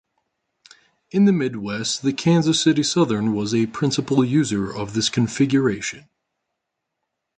In the Midwest, the Kansas City Southern was a principal user of this configuration.